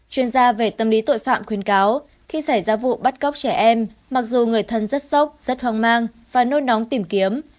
chuyên gia về tâm lý tội phạm khuyến cáo khi xảy ra vụ bắt cóc trẻ em mặc dù người thân rất sốc rất hoang mang và nôi nóng tìm kiếm